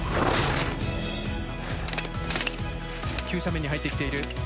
急斜面に入ってきている。